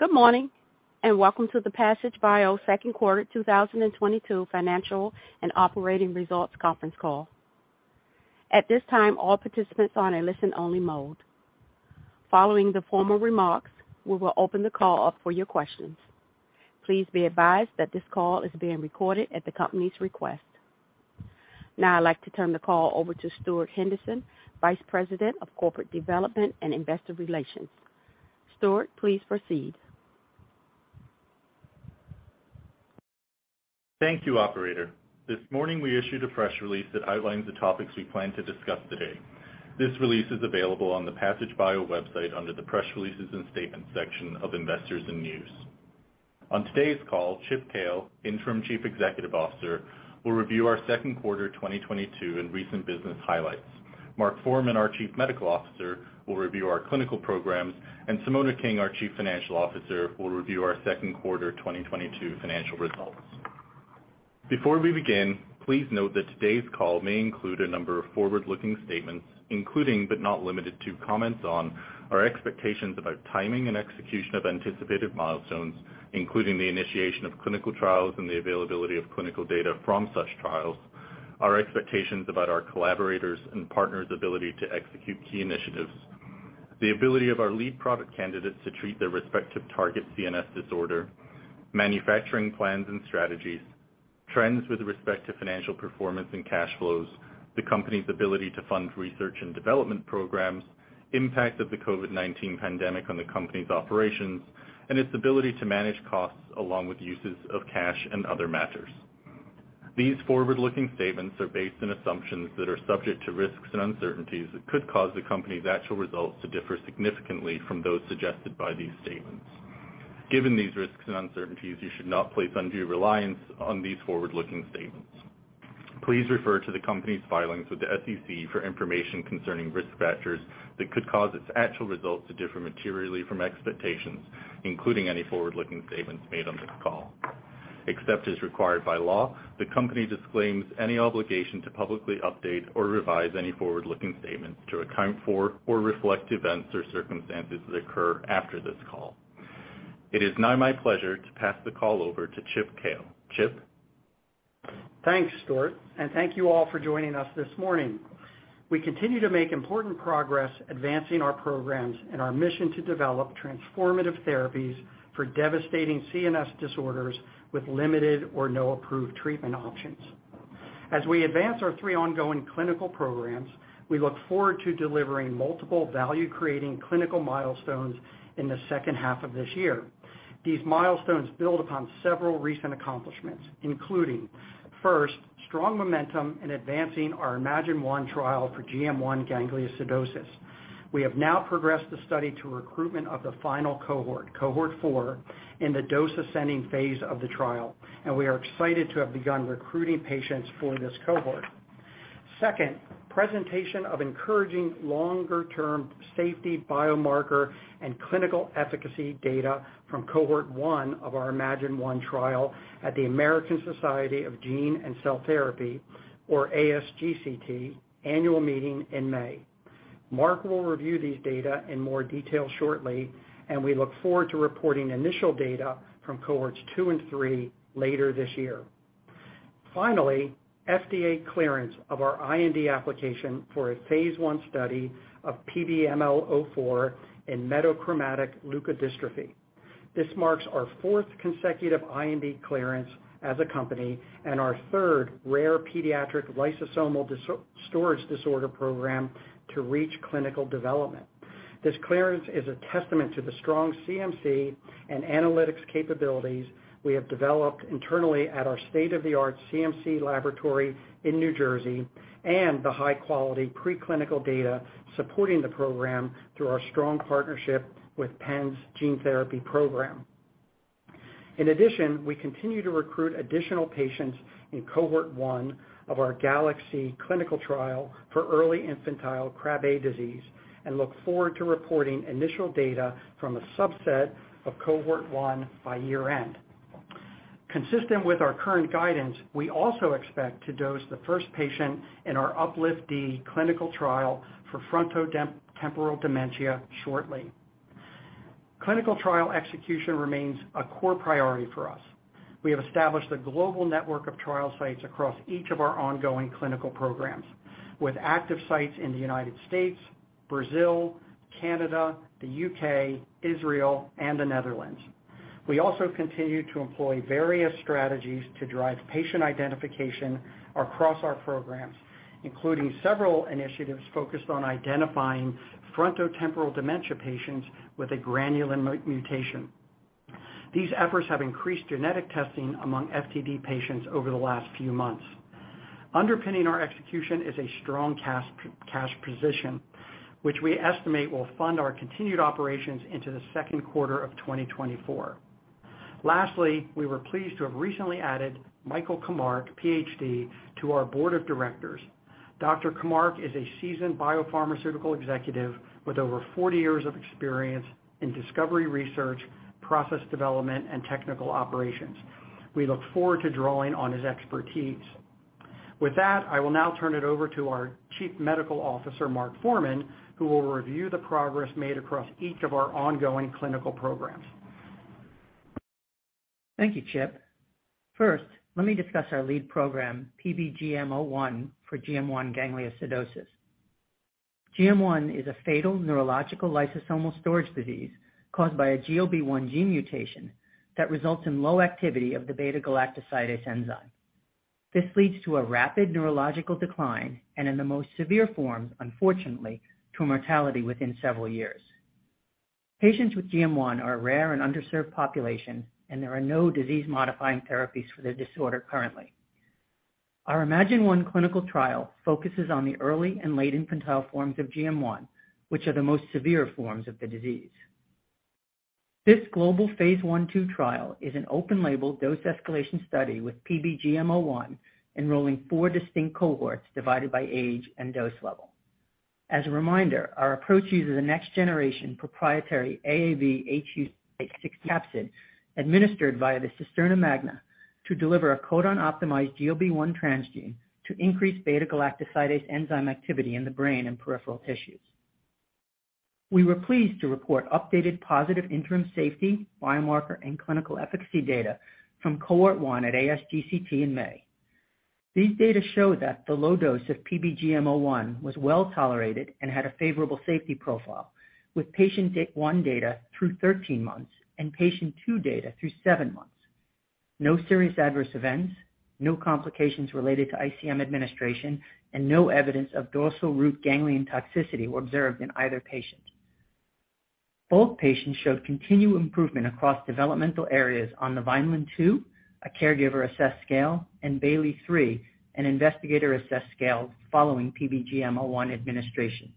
Good morning, and welcome to the Passage Bio second quarter 2022 financial and operating results conference call. At this time, all participants are in a listen-only mode. Following the formal remarks, we will open the call up for your questions. Please be advised that this call is being recorded at the company's request. Now I'd like to turn the call over to Stuart Henderson, Vice President of Corporate Development and Investor Relations. Stuart, please proceed. Thank you, operator. This morning, we issued a press release that outlines the topics we plan to discuss today. This release is available on the Passage Bio website under the Press Releases and Statements section of investors and news. On today's call, Chip Cale, Interim Chief Executive Officer, will review our second quarter 2022 and recent business highlights. Mark Forman, our Chief Medical Officer, will review our clinical programs, and Simona King, our Chief Financial Officer, will review our second quarter 2022 financial results. Before we begin, please note that today's call may include a number of forward-looking statements, including, but not limited to, comments on our expectations about timing and execution of anticipated milestones, including the initiation of clinical trials and the availability of clinical data from such trials, our expectations about our collaborators' and partners' ability to execute key initiatives, the ability of our lead product candidates to treat their respective target CNS disorder, manufacturing plans and strategies, trends with respect to financial performance and cash flows, the company's ability to fund research and development programs, impact of the COVID-19 pandemic on the company's operations, and its ability to manage costs along with uses of cash and other matters. These forward-looking statements are based on assumptions that are subject to risks and uncertainties that could cause the company's actual results to differ significantly from those suggested by these statements. Given these risks and uncertainties, you should not place undue reliance on these forward-looking statements. Please refer to the company's filings with the SEC for information concerning risk factors that could cause its actual results to differ materially from expectations, including any forward-looking statements made on this call. Except as required by law, the company disclaims any obligation to publicly update or revise any forward-looking statements to account for or reflect events or circumstances that occur after this call. It is now my pleasure to pass the call over to Chip Cale. Chip? Thanks, Stuart, and thank you all for joining us this morning. We continue to make important progress advancing our programs and our mission to develop transformative therapies for devastating CNS disorders with limited or no approved treatment options. As we advance our three ongoing clinical programs, we look forward to delivering multiple value-creating clinical milestones in the second half of this year. These milestones build upon several recent accomplishments, including, first, strong momentum in advancing our Imagine-1 trial for GM1 gangliosidosis. We have now progressed the study to recruitment of the final cohort 4, in the dose-ascending phase of the trial, and we are excited to have begun recruiting patients for this cohort. Second, presentation of encouraging longer-term safety biomarker and clinical efficacy data from cohort 1 of our Imagine-1 trial at the American Society of Gene and Cell Therapy, or ASGCT, annual meeting in May. Mark will review these data in more detail shortly, and we look forward to reporting initial data from cohorts 2 and 3 later this year. Finally, FDA clearance of our IND application for a phase I study of PBML04 in metachromatic leukodystrophy. This marks our fourth consecutive IND clearance as a company and our third rare pediatric lysosomal storage disorder program to reach clinical development. This clearance is a testament to the strong CMC and analytics capabilities we have developed internally at our state-of-the-art CMC laboratory in New Jersey and the high-quality preclinical data supporting the program through our strong partnership with Penn's gene therapy program. In addition, we continue to recruit additional patients in cohort 1 of our GALax-C clinical trial for early infantile Krabbe disease and look forward to reporting initial data from a subset of cohort 1 by year-end. Consistent with our current guidance, we also expect to dose the first patient in our upliFT-D clinical trial for frontotemporal dementia shortly. Clinical trial execution remains a core priority for us. We have established a global network of trial sites across each of our ongoing clinical programs, with active sites in the United States, Brazil, Canada, the U.K., Israel, and the Netherlands. We also continue to employ various strategies to drive patient identification across our programs, including several initiatives focused on identifying frontotemporal dementia patients with a granulin mutation. These efforts have increased genetic testing among FTD patients over the last few months. Underpinning our execution is a strong cash position, which we estimate will fund our continued operations into the second quarter of 2024. Lastly, we were pleased to have recently added Michael Kamarck, PhD, to our board of directors. Kamarck is a seasoned biopharmaceutical executive with over 40 years of experience in discovery research, process development, and technical operations. We look forward to drawing on his expertise. With that, I will now turn it over to our Chief Medical Officer, Mark Forman, who will review the progress made across each of our ongoing clinical programs. Thank you, Chip. First, let me discuss our lead program, PBGM01 for GM1 gangliosidosis. GM1 is a fatal neurological lysosomal storage disease caused by a GLB1 gene mutation that results in low activity of the beta-galactosidase enzyme. This leads to a rapid neurological decline, and in the most severe forms, unfortunately, to a mortality within several years. Patients with GM1 are a rare and underserved population, and there are no disease-modifying therapies for their disorder currently. Our Imagine-1 clinical trial focuses on the early and late infantile forms of GM1, which are the most severe forms of the disease. This global phase I/II trial is an open-label dose escalation study with PBGM01 enrolling four distinct cohorts divided by age and dose level. As a reminder, our approach uses a next-generation proprietary AAVhu68 capsid administered via the cisterna magna to deliver a codon-optimized GLB1 transgene to increase beta-galactosidase enzyme activity in the brain and peripheral tissues. We were pleased to report updated positive interim safety, biomarker, and clinical efficacy data from cohort one at ASGCT in May. These data show that the low dose of PBGM01 was well-tolerated and had a favorable safety profile, with patient one data through 13 months and patient two data through seven months. No serious adverse events, no complications related to ICM administration, and no evidence of dorsal root ganglion toxicity were observed in either patient. Both patients showed continued improvement across developmental areas on the Vineland-II, a caregiver-assessed scale, and Bayley-III, an investigator-assessed scale following PBGM01 administration.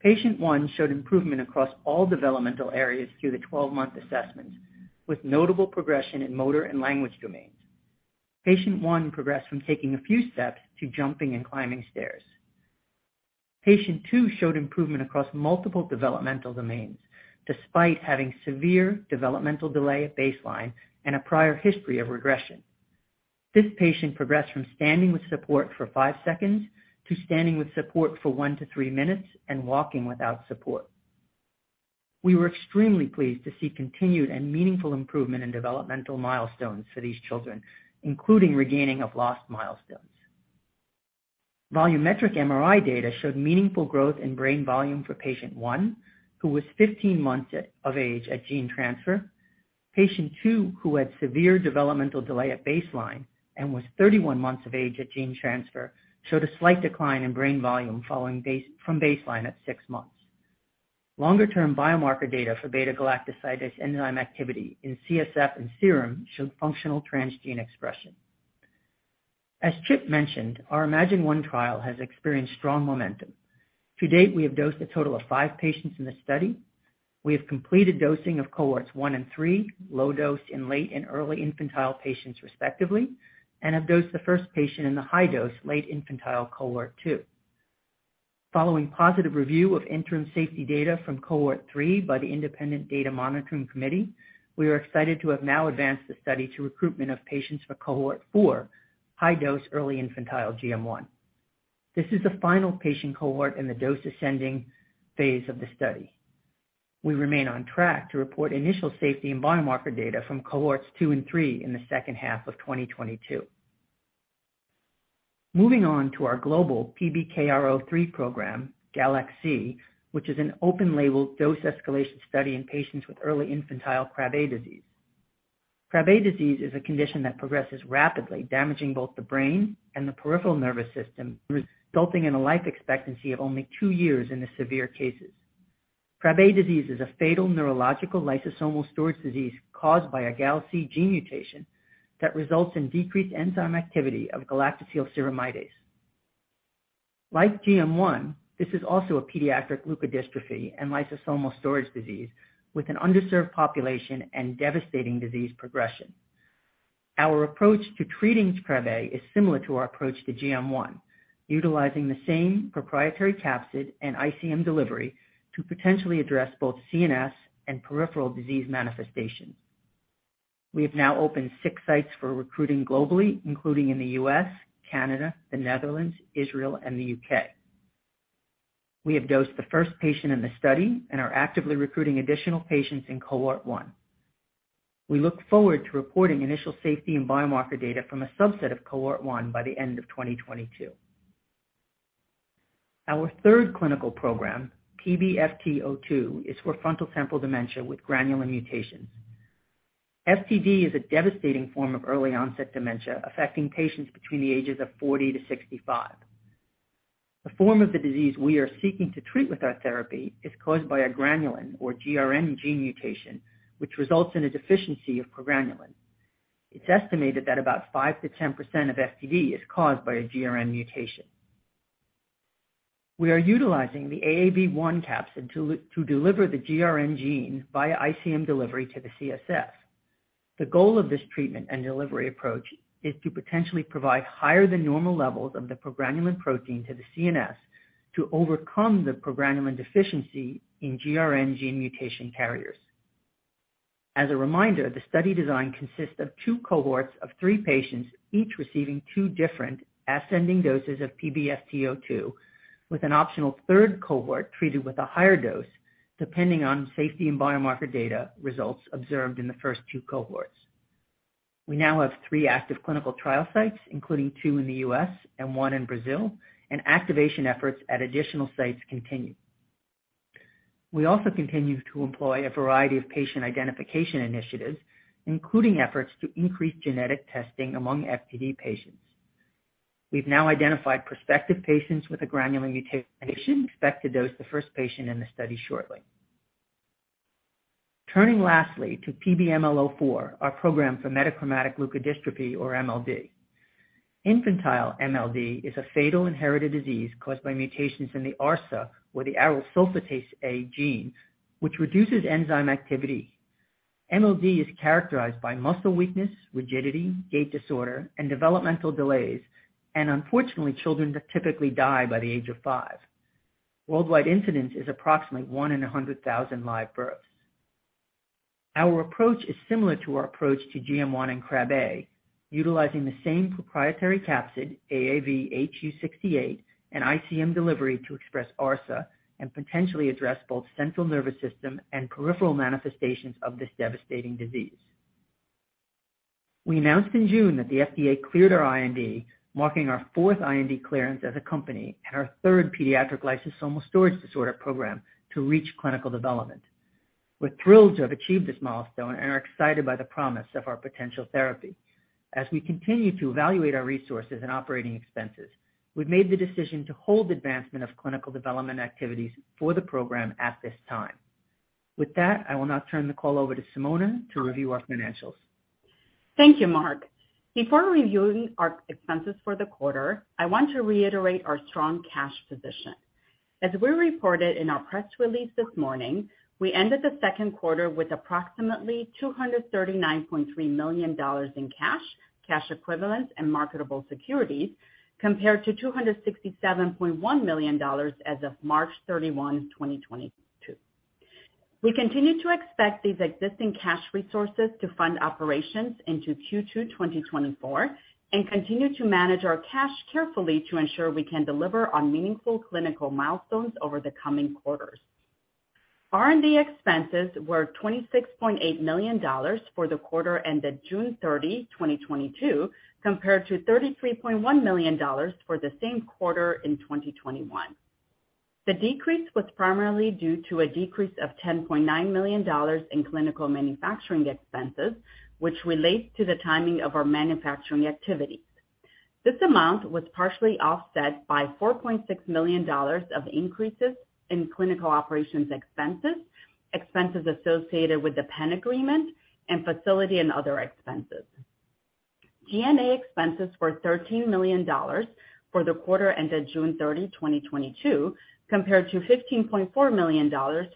Patient One showed improvement across all developmental areas through the 12-month assessments, with notable progression in motor and language domains. Patient One progressed from taking a few steps to jumping and climbing stairs. Patient Two showed improvement across multiple developmental domains, despite having severe developmental delay at baseline and a prior history of regression. This patient progressed from standing with support for five seconds to standing with support for one to three minutes and walking without support. We were extremely pleased to see continued and meaningful improvement in developmental milestones for these children, including regaining of lost milestones. Volumetric MRI data showed meaningful growth in brain volume for Patient One, who was 15 months of age at gene transfer. Patient Two, who had severe developmental delay at baseline and was 30 months of age at gene transfer, showed a slight decline in brain volume from baseline at six months. Longer-term biomarker data for beta-galactosidase enzyme activity in CSF and serum showed functional transgene expression. As Chip mentioned, our Imagine-1 trial has experienced strong momentum. To date, we have dosed a total of five patients in the study. We have completed dosing of cohorts 1 and 3, low dose in late and early infantile patients respectively, and have dosed the first patient in the high dose late infantile cohort 2. Following positive review of interim safety data from cohort 3 by the Independent Data Monitoring Committee, we are excited to have now advanced the study to recruitment of patients for cohort 4, high dose early infantile GM1. This is the final patient cohort in the dose ascending phase of the study. We remain on track to report initial safety and biomarker data from cohorts 2 and 3 in the second half of 2022. Moving on to our global PBKR03 program, GALax-C, which is an open-label dose escalation study in patients with early infantile Krabbe disease. Krabbe disease is a condition that progresses rapidly, damaging both the brain and the peripheral nervous system, resulting in a life expectancy of only two years in the severe cases. Krabbe disease is a fatal neurological lysosomal storage disease caused by a GALC gene mutation that results in decreased enzyme activity of galactosylceramidase. Like GM1, this is also a pediatric leukodystrophy and lysosomal storage disease with an underserved population and devastating disease progression. Our approach to treating Krabbe is similar to our approach to GM1, utilizing the same proprietary capsid and ICM delivery to potentially address both CNS and peripheral disease manifestations. We have now opened six sites for recruiting globally, including in the U.S., Canada, the Netherlands, Israel, and the U.K. We have dosed the first patient in the study and are actively recruiting additional patients in cohort one. We look forward to reporting initial safety and biomarker data from a subset of cohort one by the end of 2022. Our third clinical program, PBFT02, is for frontotemporal dementia with granulin mutations. FTD is a devastating form of early-onset dementia affecting patients between the ages of 40 years-65 years. The form of the disease we are seeking to treat with our therapy is caused by a granulin or GRN gene mutation, which results in a deficiency of progranulin. It's estimated that about 5%-10% of FTD is caused by a GRN mutation. We are utilizing the AAV1 capsid to deliver the GRN gene via ICM delivery to the CSF. The goal of this treatment and delivery approach is to potentially provide higher than normal levels of the progranulin protein to the CNS to overcome the progranulin deficiency in GRN gene mutation carriers. As a reminder, the study design consists of two cohorts of three patients, each receiving two different ascending doses of PBFT02, with an optional third cohort treated with a higher dose depending on safety and biomarker data results observed in the first two cohorts. We now have three active clinical trial sites, including two in the U.S. and one in Brazil, and activation efforts at additional sites continue. We also continue to employ a variety of patient identification initiatives, including efforts to increase genetic testing among FTD patients. We've now identified prospective patients with a granulin mutation and expect to dose the first patient in the study shortly. Turning lastly to PBML04, our program for metachromatic leukodystrophy or MLD. Infantile MLD is a fatal inherited disease caused by mutations in the ARSA or the arylsulfatase A gene, which reduces enzyme activity. MLD is characterized by muscle weakness, rigidity, gait disorder, and developmental delays, and unfortunately, children typically die by the age of five. Worldwide incidence is approximately 1 in 100,000 live births. Our approach is similar to our approach to GM1 and Krabbe, utilizing the same proprietary capsid, AAVhu68, and ICM delivery to express ARSA and potentially address both central nervous system and peripheral manifestations of this devastating disease. We announced in June that the FDA cleared our IND, marking our fourth IND clearance as a company and our third pediatric lysosomal storage disorder program to reach clinical development. We're thrilled to have achieved this milestone and are excited by the promise of our potential therapy. As we continue to evaluate our resources and operating expenses, we've made the decision to hold advancement of clinical development activities for the program at this time. With that, I will now turn the call over to Simona to review our financials. Thank you, Mark. Before reviewing our expenses for the quarter, I want to reiterate our strong cash position. As we reported in our press release this morning, we ended the second quarter with approximately $239.3 million in cash equivalents, and marketable securities, compared to $267.1 million as of March 31, 2022. We continue to expect these existing cash resources to fund operations into Q2 2024 and continue to manage our cash carefully to ensure we can deliver on meaningful clinical milestones over the coming quarters. R&D expenses were $26.8 million for the quarter ended June 30, 2022, compared to $33.1 million for the same quarter in 2021. The decrease was primarily due to a decrease of $10.9 million in clinical manufacturing expenses, which relates to the timing of our manufacturing activities. This amount was partially offset by $4.6 million of increases in clinical operations expenses associated with the Penn agreement and facility and other expenses. G&A expenses were $13 million for the quarter ended June 30, 2022, compared to $15.4 million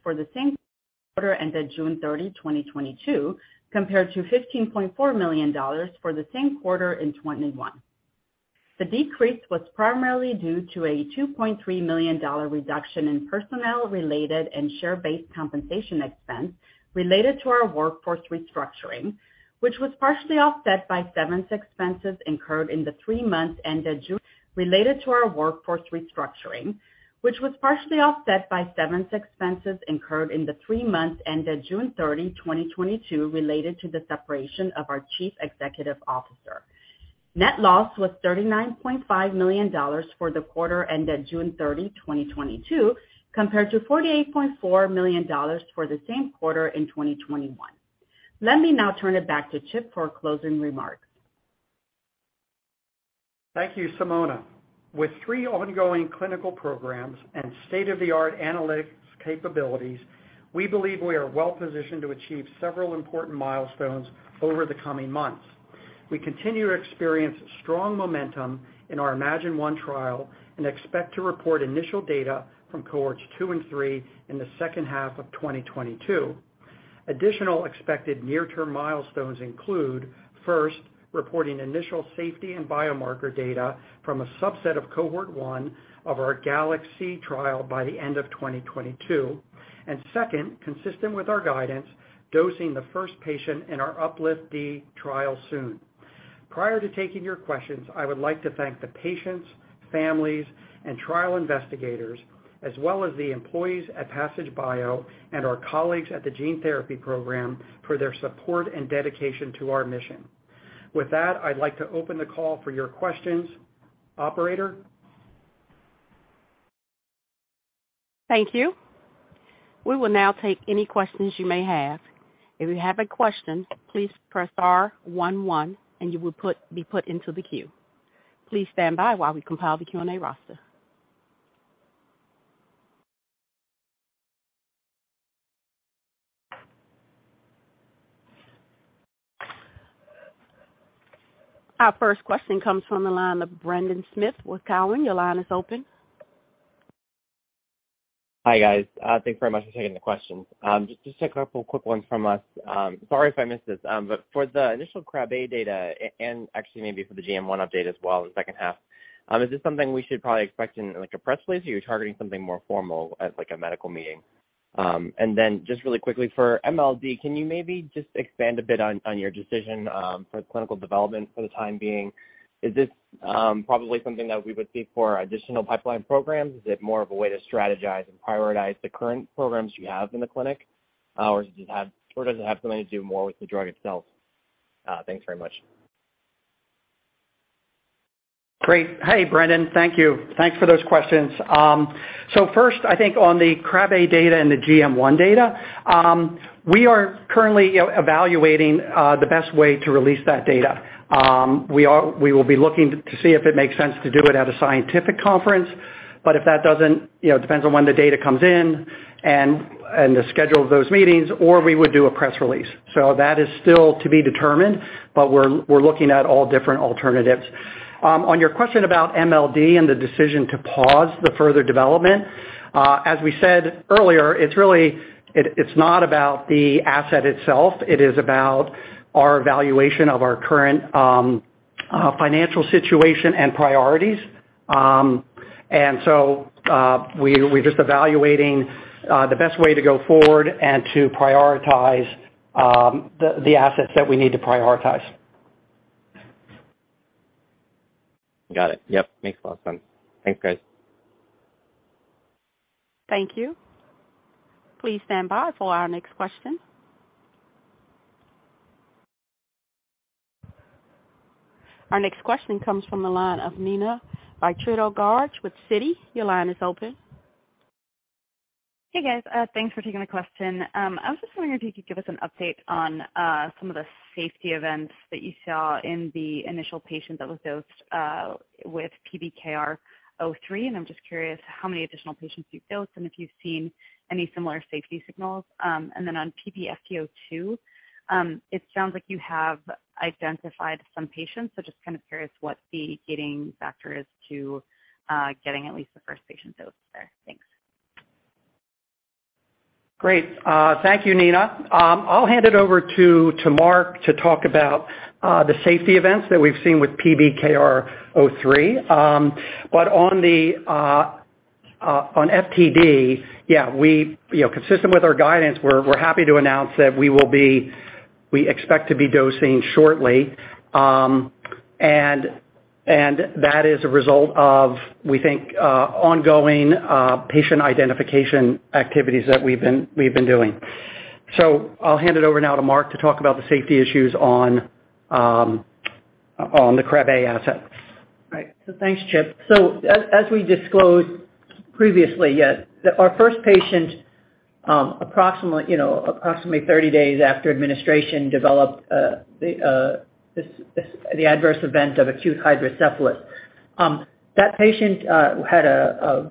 for the same quarter in 2021. The decrease was primarily due to a $2.3 million reduction in personnel-related and share-based compensation expense related to our workforce restructuring, which was partially offset by severance expenses incurred in the three months ended June 30, 2022, related to the separation of our Chief Executive Officer. Net loss was $39.5 million for the quarter ended June 30, 2022, compared to $48.4 million for the same quarter in 2021. Let me now turn it back to Chip for closing remarks. Thank you, Simona. With three ongoing clinical programs and state-of-the-art analytics capabilities, we believe we are well positioned to achieve several important milestones over the coming months. We continue to experience strong momentum in our Imagine-1 trial and expect to report initial data from cohorts 2 and 3 in the second half of 2022. Additional expected near-term milestones include, first, reporting initial safety and biomarker data from a subset of cohort 1 of our GALax-C trial by the end of 2022, and second, consistent with our guidance, dosing the first patient in our upliFT-D trial soon. Prior to taking your questions, I would like to thank the patients, families, and trial investigators, as well as the employees at Passage Bio and our colleagues at the gene therapy program for their support and dedication to our mission. With that, I'd like to open the call for your questions. Operator? Thank you. We will now take any questions you may have. If you have a question, please press star one and you will be put into the queue. Please stand by while we compile the Q&A roster. Our first question comes from the line of Brendan Smith with TD Cowen. Your line is open. Hi, guys. Thanks very much for taking the questions. Just a couple of quick ones from us. Sorry if I missed this. For the initial Krabbe data and actually maybe for the GM1 update as well in the second half, is this something we should probably expect in, like, a press release, or are you targeting something more formal at, like, a medical meeting? Just really quickly for MLD, can you maybe just expand a bit on your decision for clinical development for the time being? Is this probably something that we would see for additional pipeline programs? Is it more of a way to strategize and prioritize the current programs you have in the clinic? Does it have something to do more with the drug itself? Thanks very much. Great. Hey, Brendan. Thank you. Thanks for those questions. First, I think on the Krabbe data and the GM1 data, we are currently evaluating the best way to release that data. We will be looking to see if it makes sense to do it at a scientific conference. If that doesn't depend on when the data comes in and the schedule of those meetings, or we would do a press release. That is still to be determined, but we're looking at all different alternatives. On your question about MLD and the decision to pause the further development, as we said earlier, it's not about the asset itself, it is about our evaluation of our current financial situation and priorities. We're just evaluating the best way to go forward and to prioritize the assets that we need to prioritize. Got it. Yep. Makes a lot of sense. Thanks, guys. Thank you. Please stand by for our next question. Our next question comes from the line of Nina Buitrago-Garge with Citi. Your line is open. Hey, guys, thanks for taking the question. I was just wondering if you could give us an update on some of the safety events that you saw in the initial patient that was dosed with PBKR03, and I'm just curious how many additional patients you've dosed, and if you've seen any similar safety signals. On PBFT02, it sounds like you have identified some patients, so just kind of curious what the gating factor is to getting at least the first patient dosed there. Thanks. Great. Thank you, Nina. I'll hand it over to Mark to talk about the safety events that we've seen with PBKR03. On FTD, you know, consistent with our guidance, we're happy to announce that we expect to be dosing shortly. That is a result of, we think, ongoing patient identification activities that we've been doing. I'll hand it over now to Mark to talk about the safety issues on the Krabbe asset. Right. Thanks, Chip. As we disclosed previously, yeah, our first patient, approximately, you know, 30 days after administration, developed the adverse event of acute hydrocephalus. That patient had a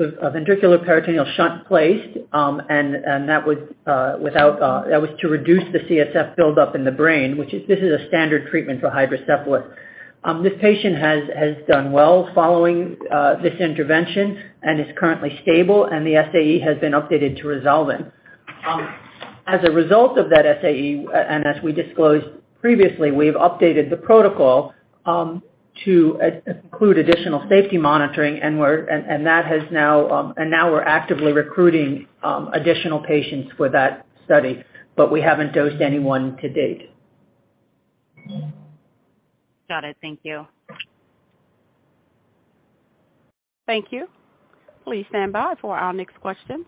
ventriculoperitoneal shunt placed, and that was to reduce the CSF buildup in the brain, which is a standard treatment for hydrocephalus. This patient has done well following this intervention and is currently stable, and the SAE has been updated to resolved. As a result of that SAE, and as we disclosed previously, we've updated the protocol to include additional safety monitoring, and now we're actively recruiting additional patients for that study, but we haven't dosed anyone to date. Got it. Thank you. Thank you. Please stand by for our next question.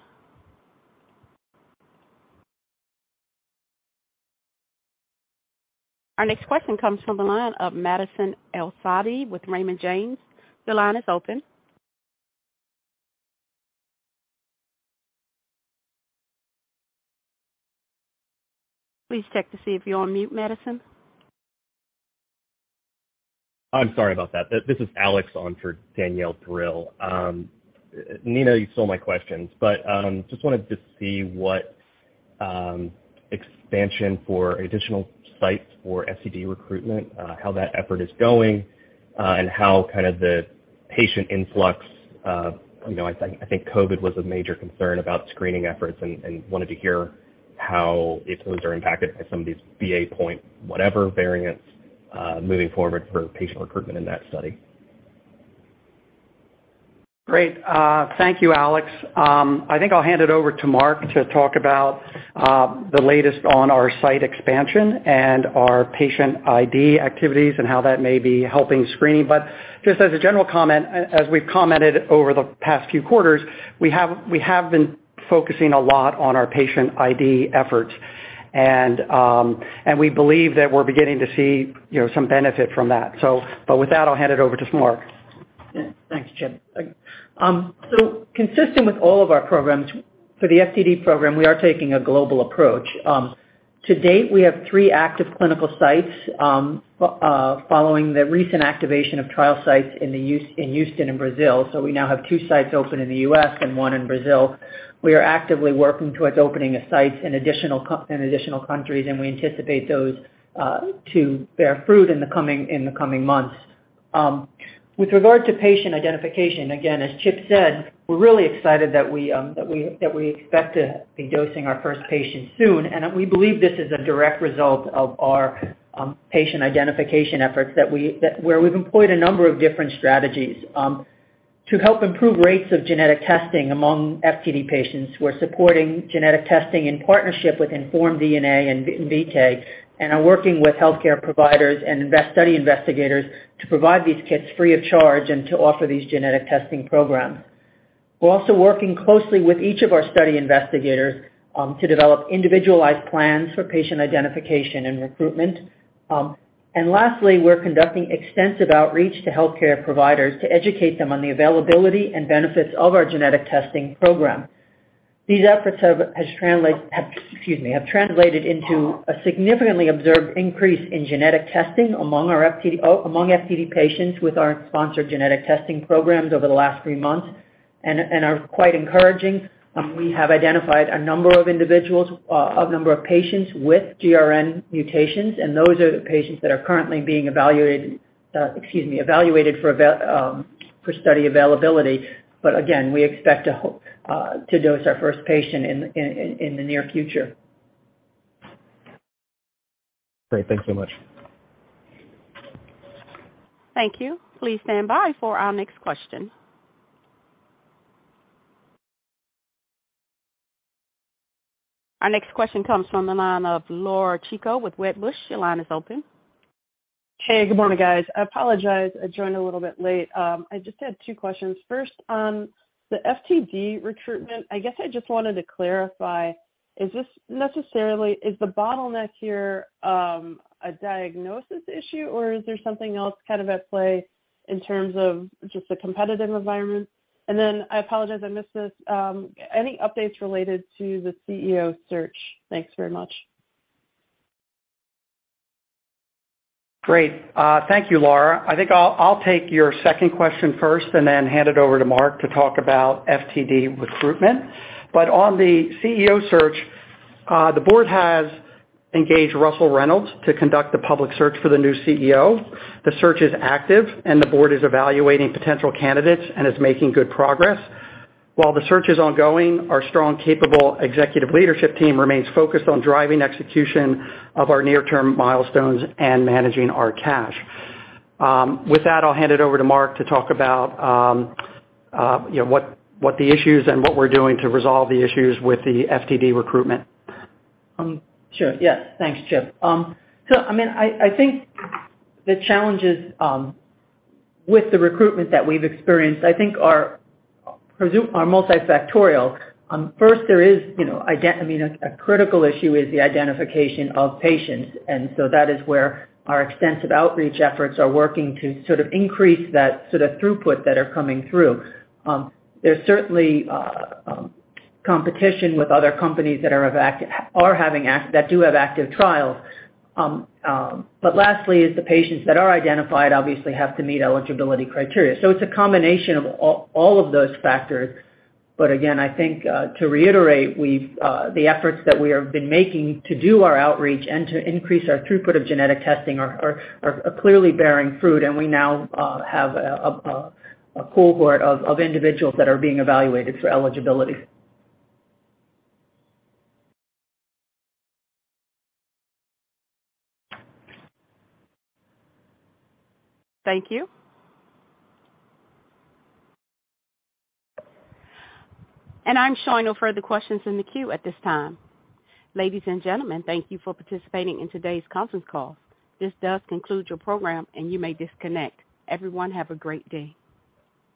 Our next question comes from the line of Madison Elsaadi with Raymond James. Your line is open. Please check to see if you're on mute, Madison. I'm sorry about that. This is Alex on for Danielle Brill. Nina, you stole my questions, but just wanted to see what expansion for additional sites for FTD recruitment, how that effort is going, and how kind of the patient influx, you know, I think COVID was a major concern about screening efforts and wanted to hear how, if those are impacted by some of these BA point, whatever variants, moving forward for patient recruitment in that study. Great. Thank you, Alex. I think I'll hand it over to Mark to talk about the latest on our site expansion and our patient ID activities and how that may be helping screening. Just as a general comment, as we've commented over the past few quarters, we have been focusing a lot on our patient ID efforts. We believe that we're beginning to see, you know, some benefit from that. But with that, I'll hand it over to Mark. Yeah. Thanks, Chip. Consistent with all of our programs, for the FTD program, we are taking a global approach. To date, we have three active clinical sites, following the recent activation of trial sites in Houston and Brazil. We now have two sites open in the U.S. and one in Brazil. We are actively working towards opening sites in additional countries, and we anticipate those to bear fruit in the coming months. With regard to patient identification, again, as Chip said, we're really excited that we expect to be dosing our first patient soon. We believe this is a direct result of our patient identification efforts where we've employed a number of different strategies. To help improve rates of genetic testing among FTD patients, we're supporting genetic testing in partnership with InformedDNA and Invitae, and are working with healthcare providers and study investigators to provide these kits free of charge and to offer these genetic testing programs. We're also working closely with each of our study investigators to develop individualized plans for patient identification and recruitment. Lastly, we're conducting extensive outreach to healthcare providers to educate them on the availability and benefits of our genetic testing program. These efforts have translated into a significantly observed increase in genetic testing among our FTD patients with our sponsored genetic testing programs over the last three months and are quite encouraging. We have identified a number of patients with GRN mutations, and those are the patients that are currently being evaluated for study availability. Again, we expect to dose our first patient in the near future. Great. Thank you so much. Thank you. Please stand by for our next question. Our next question comes from the line of Laura Chico with Wedbush. Your line is open. Hey, good morning, guys. I apologize. I joined a little bit late. I just had two questions. First, on the FTD recruitment, I guess I just wanted to clarify, is the bottleneck here a diagnosis issue, or is there something else kind of at play in terms of just the competitive environment? I apologize if I missed this. Any updates related to the CEO search? Thanks very much. Great. Thank you, Laura. I think I'll take your second question first and then hand it over to Mark to talk about FTD recruitment. On the CEO search, the board has engaged Russell Reynolds to conduct the public search for the new CEO. The search is active, and the board is evaluating potential candidates and is making good progress. While the search is ongoing, our strong, capable executive leadership team remains focused on driving execution of our near-term milestones and managing our cash. With that, I'll hand it over to Mark to talk about, you know, what the issues and what we're doing to resolve the issues with the FTD recruitment. Sure, yes. Thanks, Chip. I mean, I think the challenges with the recruitment that we've experienced, I think are multifactorial. First there is, you know, I mean, a critical issue is the identification of patients. That is where our extensive outreach efforts are working to sort of increase that sort of throughput that are coming through. There's certainly competition with other companies that do have active trials. Lastly is the patients that are identified obviously have to meet eligibility criteria. It's a combination of all of those factors. Again, I think, to reiterate, we've the efforts that we have been making to do our outreach and to increase our throughput of genetic testing are clearly bearing fruit, and we now have a cohort of individuals that are being evaluated for eligibility. Thank you. I'm showing no further questions in the queue at this time. Ladies and gentlemen, thank you for participating in today's conference call. This does conclude your program, and you may disconnect. Everyone, have a great day.